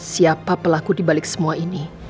siapa pelaku dibalik semua ini